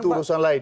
itu urusan lain